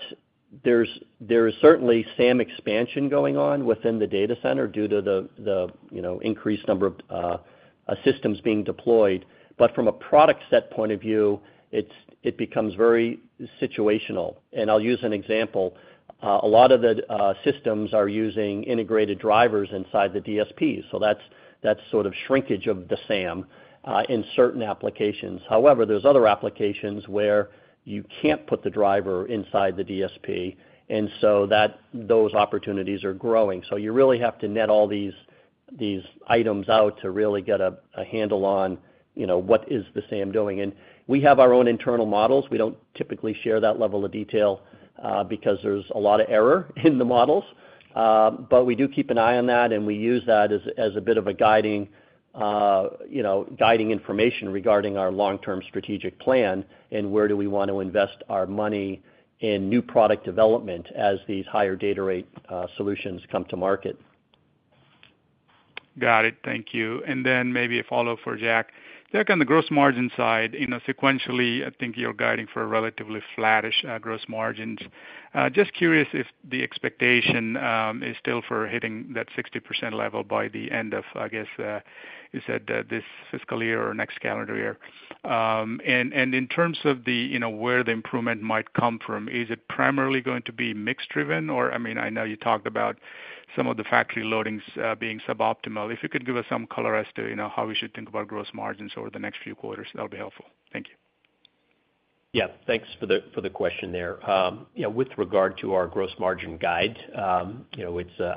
S3: there is certainly SAM expansion going on within the data center due to the increased number of systems being deployed. But from a product set point of view, it becomes very situational. And I'll use an example. A lot of the systems are using integrated drivers inside the DSP. So that's sort of shrinkage of the SAM in certain applications. However, there's other applications where you can't put the driver inside the DSP. And so those opportunities are growing. So you really have to net all these items out to really get a handle on what is the SAM doing. And we have our own internal models. We don't typically share that level of detail because there's a lot of error in the models. But we do keep an eye on that, and we use that as a bit of a guiding information regarding our long-term strategic plan and where do we want to invest our money in new product development as these higher data rate solutions come to market.
S8: Got it. Thank you. And then maybe a follow-up for Jack. Jack, on the gross margin side, sequentially, I think you're guiding for relatively flattish gross margins. Just curious if the expectation is still for hitting that 60% level by the end of, I guess, you said this fiscal year or next calendar year. And in terms of where the improvement might come from, is it primarily going to be mixed-driven? Or I mean, I know you talked about some of the factory loadings being suboptimal. If you could give us some color as to how we should think about gross margins over the next few quarters, that'll be helpful. Thank you.
S4: Yeah. Thanks for the question there. With regard to our gross margin guide, I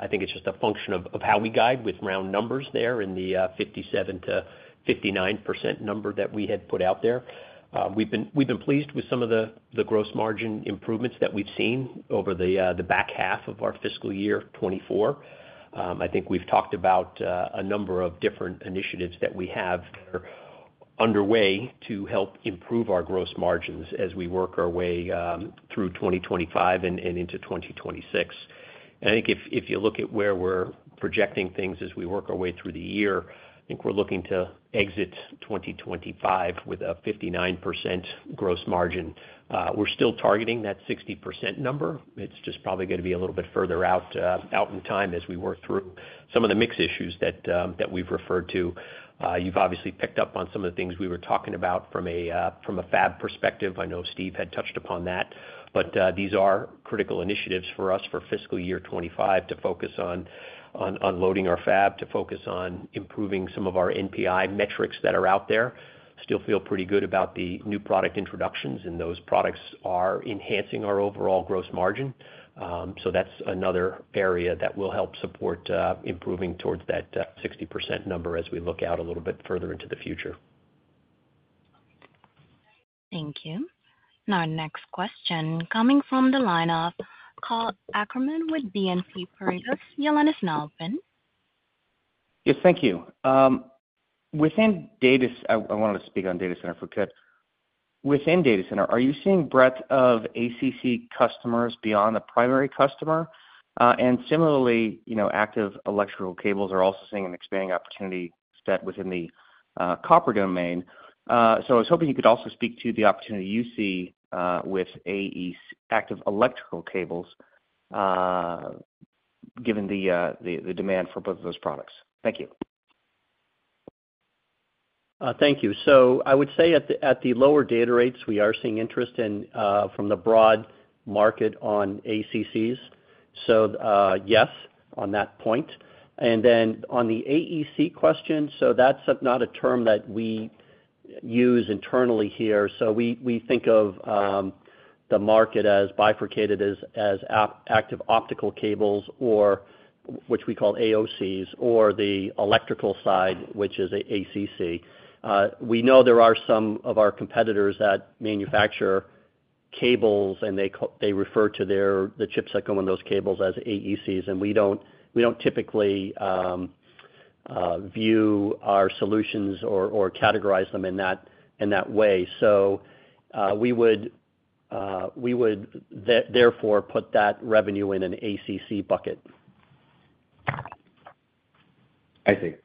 S4: think it's just a function of how we guide with round numbers there in the 57%-59% number that we had put out there. We've been pleased with some of the gross margin improvements that we've seen over the back half of our fiscal year 2024. I think we've talked about a number of different initiatives that we have underway to help improve our gross margins as we work our way through 2025 and into 2026. I think if you look at where we're projecting things as we work our way through the year, I think we're looking to exit 2025 with a 59% gross margin. We're still targeting that 60% number. It's just probably going to be a little bit further out in time as we work through some of the mixed issues that we've referred to. You've obviously picked up on some of the things we were talking about from a fab perspective. I know Steve had touched upon that. But these are critical initiatives for us for fiscal year 2025 to focus on loading our fab, to focus on improving some of our NPI metrics that are out there. Still feel pretty good about the new product introductions, and those products are enhancing our overall gross margin. So that's another area that will help support improving towards that 60% number as we look out a little bit further into the future.
S1: Thank you. And our next question coming from the line of Karl Ackerman with BNP Paribas. Your line is now open.
S9: Yes, thank you. I wanted to speak on data center optics. Within data center, are you seeing breadth of ACC customers beyond the primary customer? And similarly, active electrical cables are also seeing an expanding opportunity set within the copper domain. So I was hoping you could also speak to the opportunity you see with active electrical cables given the demand for both of those products. Thank you.
S3: Thank you. So I would say at the lower data rates, we are seeing interest from the broad market on ACCs. So yes, on that point. And then on the AEC question, so that's not a term that we use internally here. So we think of the market as bifurcated as active optical cables, which we call AOCs, or the electrical side, which is ACC. We know there are some of our competitors that manufacture cables, and they refer to the chips that go in those cables as AECs. And we don't typically view our solutions or categorize them in that way. So we would therefore put that revenue in an ACC bucket.
S9: I see. I see. May I speak to another one then? As you think about,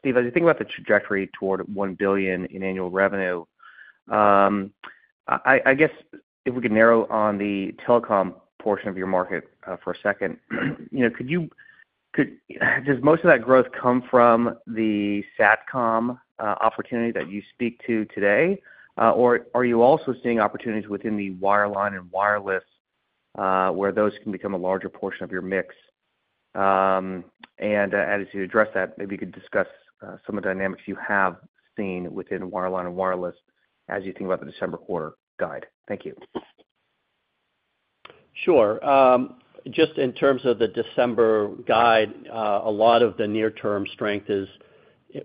S9: Steve, as you think about the trajectory toward 1 billion in annual revenue, I guess if we could narrow on the telecom portion of your market for a second, could you, does most of that growth come from the SATCOM opportunity that you speak to today? Or are you also seeing opportunities within the wireline and wireless where those can become a larger portion of your mix? And as you address that, maybe you could discuss some of the dynamics you have seen within wireline and wireless as you think about the December quarter guide. Thank you.
S3: Sure. Just in terms of the December guide, a lot of the near-term strength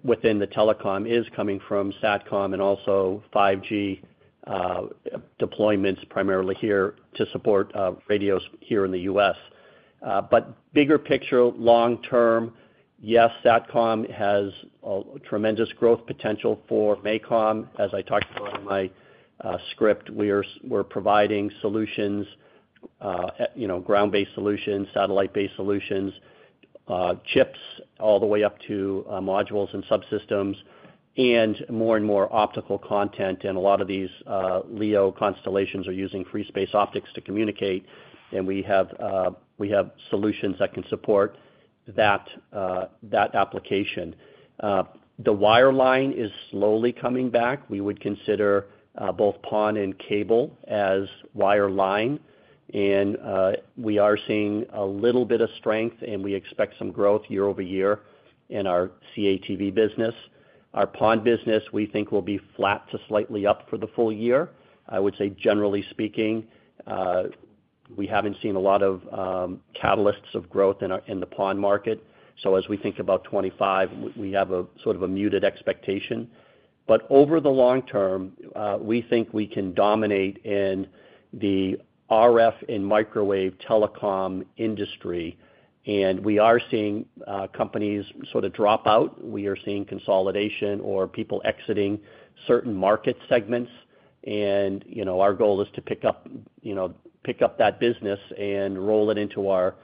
S3: within the telecom is coming from SATCOM and also 5G deployments primarily here to support radios here in the U.S. But bigger picture, long term, yes, SATCOM has tremendous growth potential for MACOM. As I talked about in my script, we're providing solutions, ground-based solutions, satellite-based solutions, chips all the way up to modules and subsystems, and more and more optical content. And a lot of these LEO constellations are using free space optics to communicate. And we have solutions that can support that application. The wireline is slowly coming back. We would consider both PON and cable as wireline, and we are seeing a little bit of strength, and we expect some growth year-over-year in our CATV business. Our PON business, we think, will be flat to slightly up for the full year. I would say, generally speaking, we haven't seen a lot of catalysts of growth in the PON market, so as we think about 2025, we have sort of a muted expectation, but over the long term, we think we can dominate in the RF and microwave telecom industry, and we are seeing companies sort of drop out. We are seeing consolidation or people exiting certain market segments, and our goal is to pick up that business and roll it into our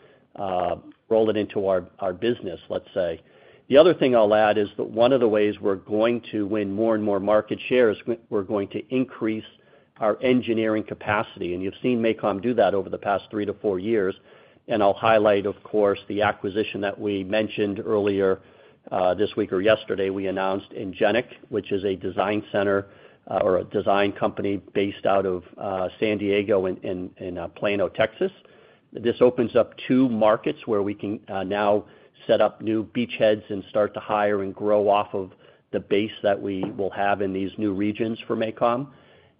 S3: business, let's say. The other thing I'll add is that one of the ways we're going to win more and more market share is we're going to increase our engineering capacity. And you've seen MACOM do that over the past three to four years. And I'll highlight, of course, the acquisition that we mentioned earlier this week or yesterday. We announced ENGIN-IC, which is a design center or a design company based out of San Diego and Plano, Texas. This opens up two markets where we can now set up new beachheads and start to hire and grow off of the base that we will have in these new regions for MACOM.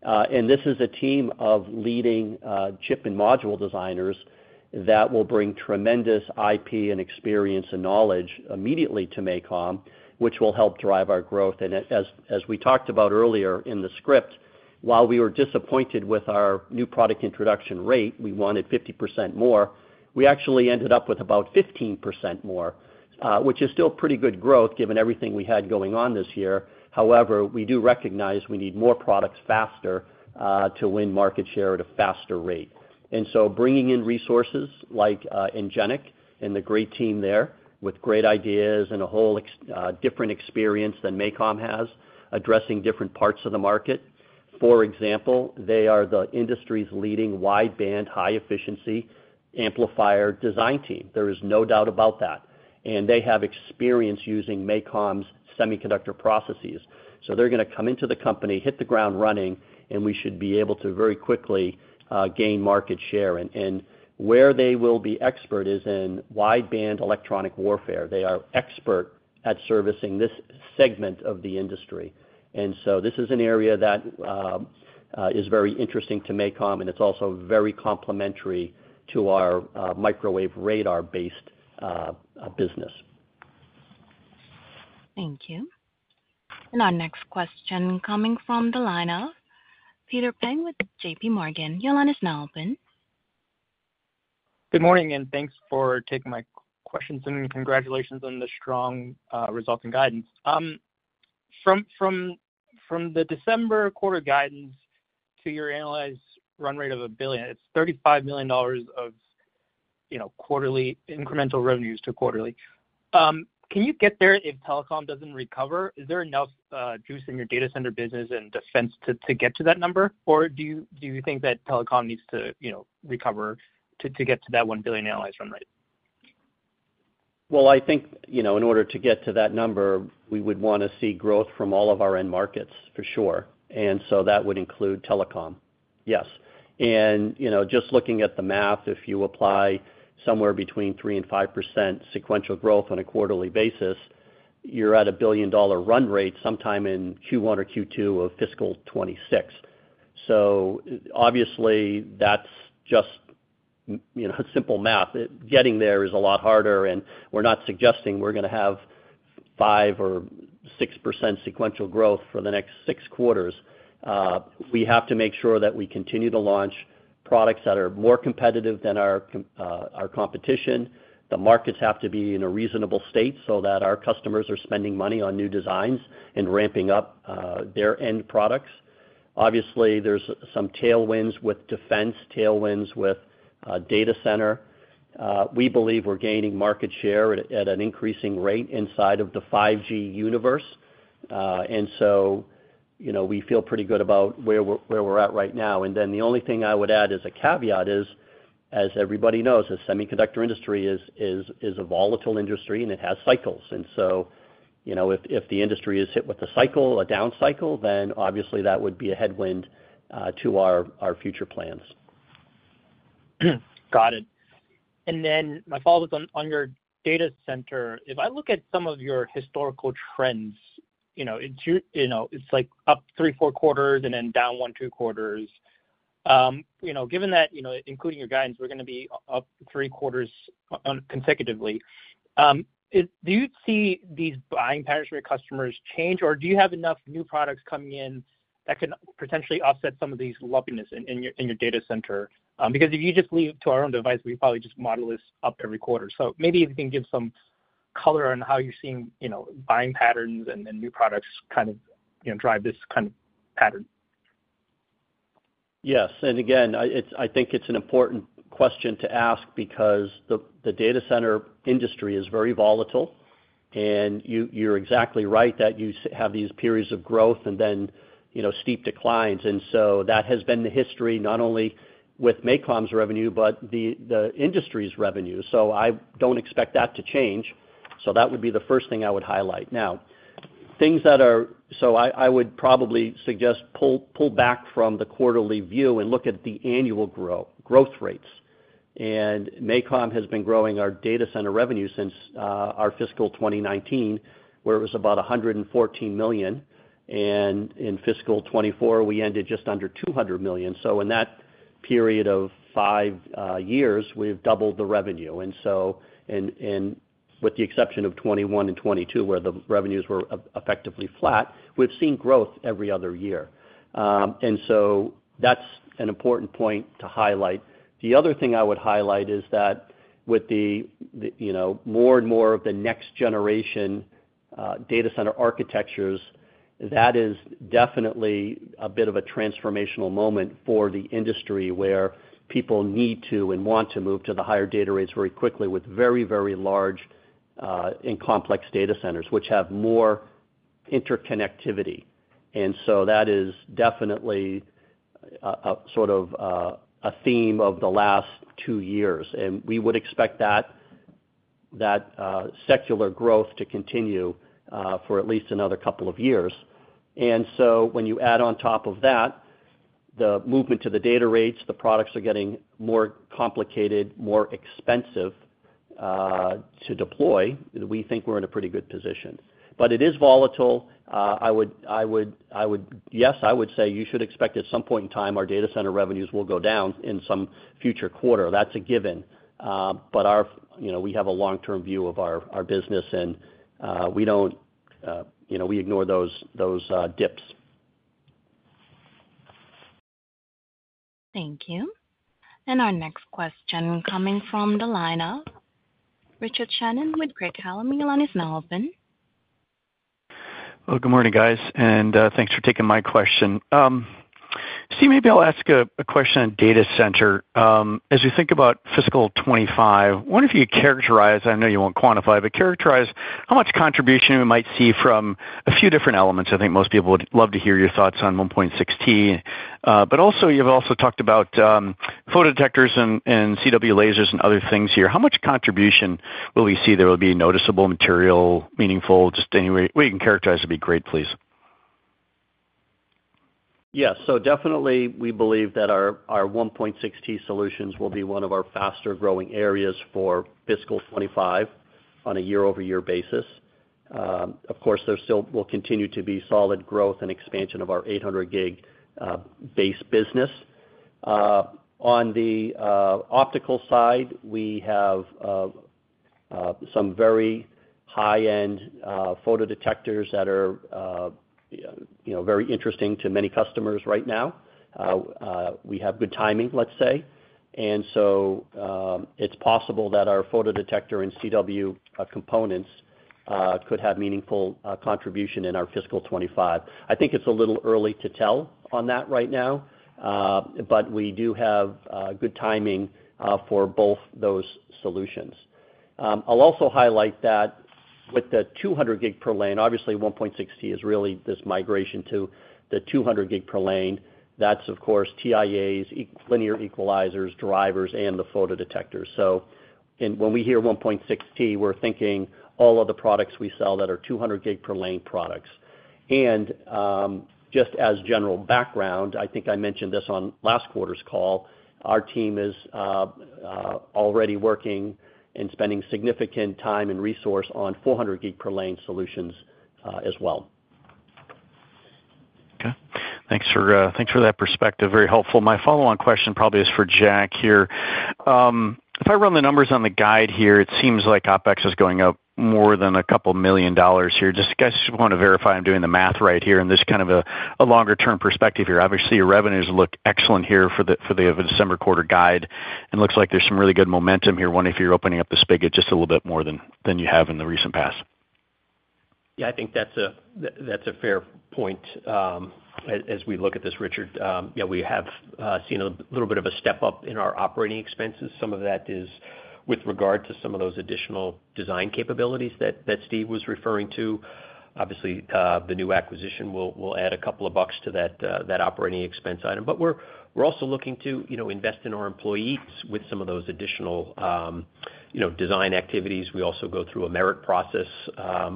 S3: And this is a team of leading chip and module designers that will bring tremendous IP and experience and knowledge immediately to MACOM, which will help drive our growth. And as we talked about earlier in the script, while we were disappointed with our new product introduction rate, we wanted 50% more. We actually ended up with about 15% more, which is still pretty good growth given everything we had going on this year. However, we do recognize we need more products faster to win market share at a faster rate. And so bringing in resources like ENGIN-IC and the great team there with great ideas and a whole different experience than MACOM has, addressing different parts of the market. For example, they are the industry's leading wideband, high-efficiency amplifier design team. There is no doubt about that. And they have experience using MACOM's semiconductor processes. So they're going to come into the company, hit the ground running, and we should be able to very quickly gain market share. Where they will be expert is in wideband electronic warfare. They are expert at servicing this segment of the industry. And so this is an area that is very interesting to MACOM, and it's also very complementary to our microwave radar-based business.
S1: Thank you. And our next question coming from the line of Peter Peng with J.P. Morgan. Your line is now open.
S10: Good morning, and thanks for taking my questions. And congratulations on the strong results and guidance. From the December quarter guidance to your annualized run rate of a billion, it's $35 million of quarterly incremental revenues to quarterly. Can you get there if telecom doesn't recover? Is there enough juice in your data center business and defense to get to that number? Or do you think that telecom needs to recover to get to that 1 billion annualized run rate?
S3: I think in order to get to that number, we would want to see growth from all of our end markets, for sure. And so that would include telecom. Yes. And just looking at the math, if you apply somewhere between 3% and 5% sequential growth on a quarterly basis, you're at a billion-dollar run rate sometime in Q1 or Q2 of fiscal 2026. So obviously, that's just simple math. Getting there is a lot harder. And we're not suggesting we're going to have 5%-6% sequential growth for the next six quarters. We have to make sure that we continue to launch products that are more competitive than our competition. The markets have to be in a reasonable state so that our customers are spending money on new designs and ramping up their end products. Obviously, there's some tailwinds with defense, tailwinds with data center. We believe we're gaining market share at an increasing rate inside of the 5G universe. And so we feel pretty good about where we're at right now. And then the only thing I would add as a caveat is, as everybody knows, the semiconductor industry is a volatile industry, and it has cycles. And so if the industry is hit with a cycle, a down cycle, then obviously that would be a headwind to our future plans.
S10: Got it. And then my follow-up on your data center, if I look at some of your historical trends, it's like up three, four quarters and then down one, two quarters. Given that, including your guidance, we're going to be up three quarters consecutively. Do you see these buying patterns for your customers change? Or do you have enough new products coming in that can potentially offset some of these lumpiness in your data center? Because if you just leave to our own device, we probably just model this up every quarter. So maybe if you can give some color on how you're seeing buying patterns and new products kind of drive this kind of pattern.
S3: Yes. And again, I think it's an important question to ask because the data center industry is very volatile. And you're exactly right that you have these periods of growth and then steep declines. And so that has been the history, not only with MACOM's revenue, but the industry's revenue. So I don't expect that to change. So that would be the first thing I would highlight. Now, things that are, so I would probably suggest pull back from the quarterly view and look at the annual growth rates. And MACOM has been growing our data center revenue since our fiscal 2019, where it was about $114 million. And in fiscal 2024, we ended just under $200 million. So in that period of five years, we've doubled the revenue. And with the exception of 2021 and 2022, where the revenues were effectively flat, we've seen growth every other year. And so that's an important point to highlight. The other thing I would highlight is that with the more and more of the next generation data center architectures, that is definitely a bit of a transformational moment for the industry where people need to and want to move to the higher data rates very quickly with very, very large and complex data centers, which have more interconnectivity. And so that is definitely sort of a theme of the last two years. And we would expect that secular growth to continue for at least another couple of years. And so when you add on top of that, the movement to the data rates, the products are getting more complicated, more expensive to deploy, we think we're in a pretty good position. But it is volatile. I would, yes, I would say you should expect at some point in time our data center revenues will go down in some future quarter. That's a given. But we have a long-term view of our business, and we don't. We ignore those dips.
S1: Thank you. And our next question coming from the line of Richard Shannon with Craig-Hallum. Your line is now open.
S11: Well, good morning, guys. And thanks for taking my question. Steve, maybe I'll ask a question on data center. As we think about fiscal 2025, I wonder if you characterize. I know you won't quantify. But characterize how much contribution we might see from a few different elements. I think most people would love to hear your thoughts on 1.6T. But also, you've also talked about photodetectors and CW lasers and other things here. How much contribution will we see? There will be noticeable material, meaningful? Just any way you can characterize it would be great, please.
S3: Yes. So definitely, we believe that our 1.6T solutions will be one of our faster-growing areas for fiscal 2025 on a year-over-year basis. Of course, there still will continue to be solid growth and expansion of our 800-gig base business. On the optical side, we have some very high-end photodetectors that are very interesting to many customers right now. We have good timing, let's say. So it's possible that our photodetector and CW components could have meaningful contribution in our fiscal 2025. I think it's a little early to tell on that right now, but we do have good timing for both those solutions. I'll also highlight that with the 200-gig per lane, obviously, 1.6T is really this migration to the 200-gig per lane. That's, of course, TIAs, linear equalizers, drivers, and the photodetectors. So when we hear 1.6T, we're thinking all of the products we sell that are 200-gig per lane products. And just as general background, I think I mentioned this on last quarter's call, our team is already working and spending significant time and resource on 400-gig per lane solutions as well.
S11: Okay. Thanks for that perspective. Very helpful. My follow-on question probably is for Jack here. If I run the numbers on the guide here, it seems like OpEx is going up more than $2 million here. Just, guys, I just want to verify I'm doing the math right here and this kind of a longer-term perspective here. Obviously, your revenues look excellent here for the December quarter guide. And it looks like there's some really good momentum here, wondering if you're opening up this bucket just a little bit more than you have in the recent past.
S1: Yeah, I think that's a fair point as we look at this, Richard. Yeah, we have seen a little bit of a step up in our operating expenses. Some of that is with regard to some of those additional design capabilities that Steve was referring to. Obviously, the new acquisition will add $2 million to that operating expense item. But we're also looking to invest in our employees with some of those additional design activities. We also go through a merit process,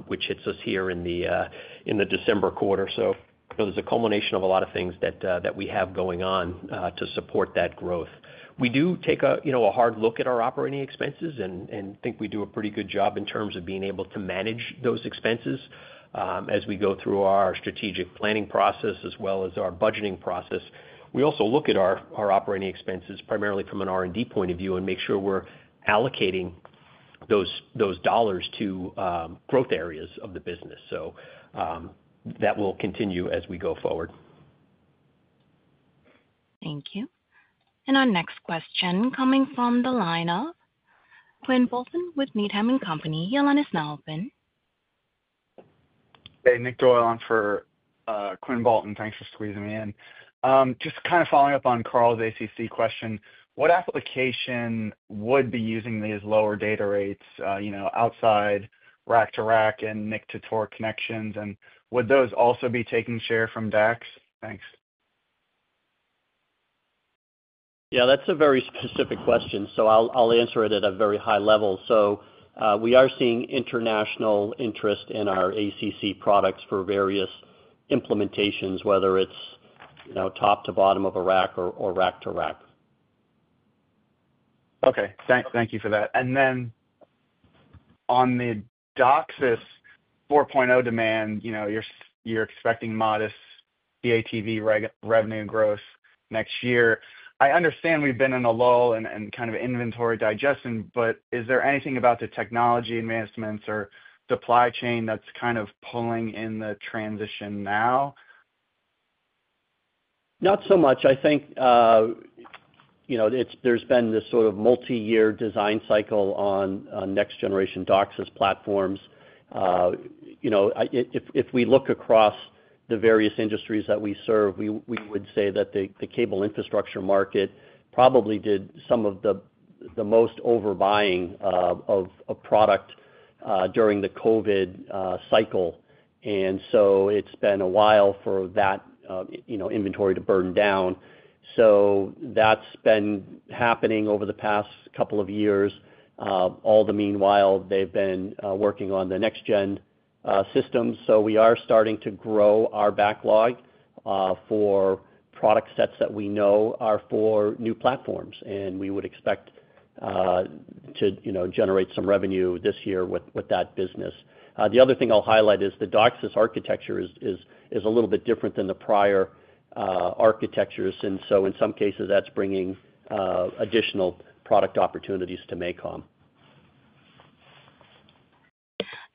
S1: which hits us here in the December quarter. So there's a culmination of a lot of things that we have going on to support that growth. We do take a hard look at our operating expenses and think we do a pretty good job in terms of being able to manage those expenses as we go through our strategic planning process as well as our budgeting process. We also look at our operating expenses primarily from an R&D point of view and make sure we're allocating those dollars to growth areas of the business. So that will continue as we go forward. Thank you. And our next question coming from the line of Quinn Bolton with Needham & Company, Your line is now open.
S12: Hey, Nick Doyle on for Quinn Bolton. Thanks for squeezing me in. Just kind of following up on Karl's ACC question, what application would be using these lower data rates outside rack-to-rack and NIC-to-TOR connections? And would those also be taking share from AOCs? Thanks.
S3: Yeah, that's a very specific question. So I'll answer it at a very high level. So we are seeing international interest in our ACC products for various implementations, whether it's top to bottom of a rack or rack-to-rack.
S12: Okay. Thank you for that. And then on the DOCSIS 4.0 demand, you're expecting modest CATV revenue growth next year. I understand we've been in a lull and kind of inventory digestion, but is there anything about the technology advancements or supply chain that's kind of pulling in the transition now?
S3: Not so much. I think there's been this sort of multi-year design cycle on next-generation DOCSIS platforms. If we look across the various industries that we serve, we would say that the cable infrastructure market probably did some of the most overbuying of a product during the COVID cycle. And so it's been a while for that inventory to burn down. So that's been happening over the past couple of years. All the meanwhile, they've been working on the next-gen systems. So we are starting to grow our backlog for product sets that we know are for new platforms. And we would expect to generate some revenue this year with that business. The other thing I'll highlight is the DOCSIS architecture is a little bit different than the prior architectures. And so in some cases, that's bringing additional product opportunities to MACOM.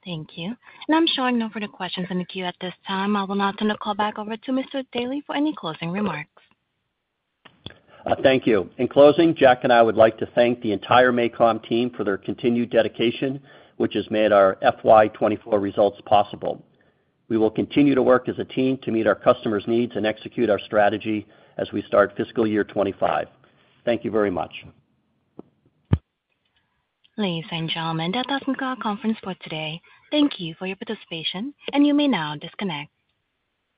S1: Thank you. I'm showing no further questions in the queue at this time. I will now turn the call back over to Mr. Daly for any closing remarks.
S3: Thank you. In closing, Jack and I would like to thank the entire MACOM team for their continued dedication, which has made our FY24 results possible. We will continue to work as a team to meet our customers' needs and execute our strategy as we start fiscal year '25. Thank you very much.
S1: Ladies and gentlemen, this concludes our conference call for today. Thank you for your participation, and you may now disconnect.